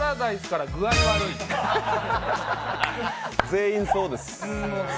全員そうです。